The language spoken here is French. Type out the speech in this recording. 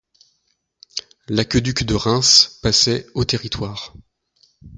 L'Aqueduc de Reims passait au territoire.